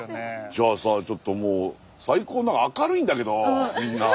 じゃあさちょっともう最高明るいんだけどみんな。